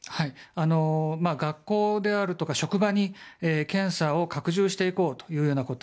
学校であるとか職場に検査を拡充していこうということ。